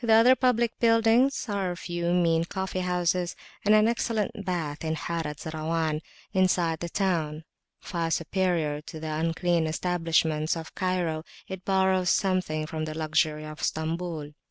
The other public buildings are a few mean coffee houses and an excellent bath in the Harat Zarawan, inside the town: far superior to the unclean establishments of Cairo, it borrows something from the luxury of Stambul.